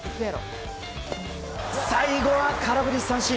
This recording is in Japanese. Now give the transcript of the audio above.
最後は空振り三振。